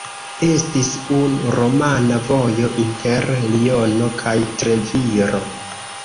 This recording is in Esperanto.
Estis unu romana vojo inter Liono kaj Treviro.